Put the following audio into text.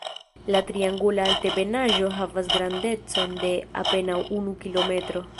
La triangula altebenaĵo havas grandecon de apenaŭ unu kilometro.